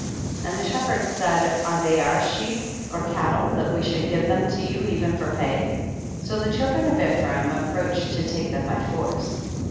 8. And the shepherds said, are they our sheep or cattle that we should give them to you even for pay ? so the children of Ephraim ap proached to take them by force.